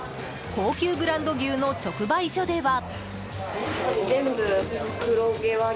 高級ブランド牛の直売所では。